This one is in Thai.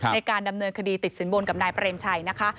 ในการดำเนินคดีติดสินบนกับนายเปรมชัยนะคะ